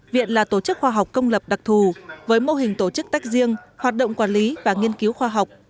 viện là tổ chức khoa học công lập đặc thù với mô hình tổ chức tách riêng hoạt động quản lý và nghiên cứu khoa học